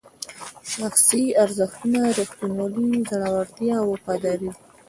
شخصي ارزښتونه ریښتینولي، زړورتیا او وفاداري دي.